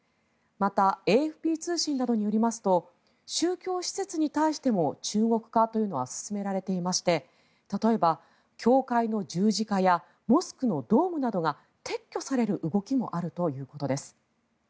またＡＦＰ通信などによりますと宗教施設に対しても中国化というのは進められていまして例えば教会の十字架やモスクのドームなどが撤去される動きがあるということです。